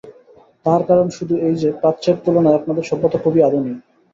তাহার কারণ শুধু এই যে, প্রাচ্যের তুলনায় আপনাদের সভ্যতা খুবই আধুনিক।